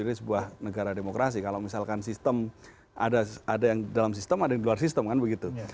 ini sebuah negara demokrasi kalau misalkan sistem ada yang dalam sistem ada yang di luar sistem kan begitu